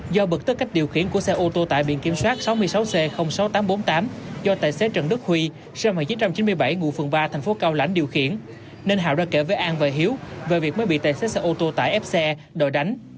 do bực tức cách điều khiển của xe ô tô tải biển kiểm soát sáu mươi sáu c sáu nghìn tám trăm bốn mươi tám do tài xế trần đức huy sinh năm một nghìn chín trăm chín mươi bảy ngụ phường ba thành phố cao lãnh điều khiển nên hảo đã kể với an và hiếu về việc mới bị tài xế xe ô tô tải ép xe đòi đánh